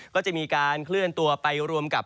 ก็จะมีการเคลื่อนตัวไปรวมกับ